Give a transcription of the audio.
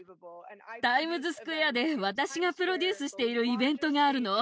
タイムズスクエアで私がプロデュースしているイベントがあるの。